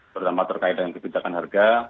terutama terkait dengan kebijakan harga